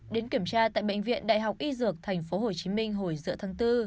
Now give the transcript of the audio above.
đến kiểm tra tại bệnh viện đại học y dược tp hcm hồi giữa tháng bốn